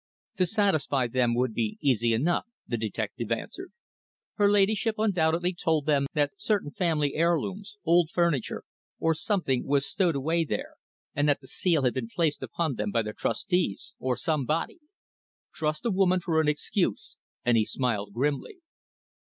"To satisfy them would be easy enough," the detective answered. "Her ladyship undoubtedly told them that certain family heirlooms, old furniture, or something, was stowed away there, and that the seal had been placed upon them by the trustees, or somebody. Trust a woman for an excuse," and he smiled grimly.